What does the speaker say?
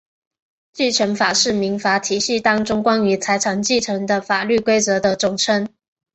继承法是民法体系当中关于财产继承的法律规则的总称。